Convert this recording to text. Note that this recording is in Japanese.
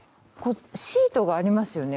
シートがありますよね。